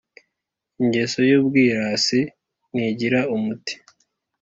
Ingeso y’ubwirasi ntigira umuti,